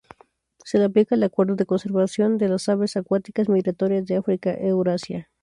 Se le aplica el "Acuerdo de Conservación de las Aves Acuáticas Migratorias de África-Eurasia.